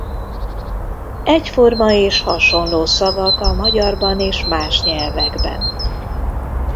Egyforma és hasonló szavak a magyarban és más nyelvekben